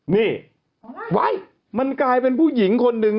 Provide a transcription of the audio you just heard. นี่ไว้มันกลายเป็นผู้หญิงคนหนึ่ง